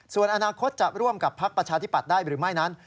ส่วนอนาคตจะร่วมกับพักประชาธิปัตย์ได้หรือไม่นั้น